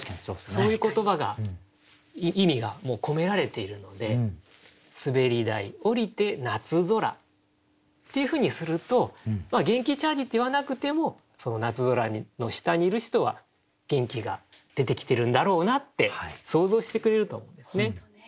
そういう言葉が意味がもう込められているので「滑り台降りて夏空」っていうふうにすると「元気チャージ」って言わなくてもその夏空の下にいる人は元気が出てきてるんだろうなって想像してくれると思うんですね。